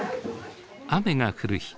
雨が降る日。